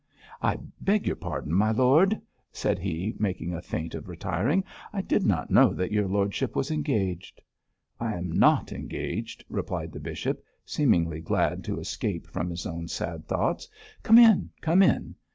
'I beg your pardon, my lord,' said he, making a feint of retiring, 'I did not know that your lordship was engaged.' 'I am not engaged,' replied the bishop, seemingly glad to escape from his own sad thoughts; 'come in, come in.